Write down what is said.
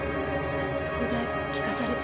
そこで聞かされたんです